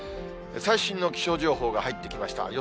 最新の気象情報が入ってきました。